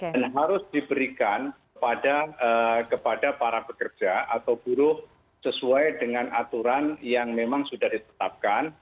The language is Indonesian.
dan harus diberikan kepada para pekerja atau buruh sesuai dengan aturan yang memang sudah ditetapkan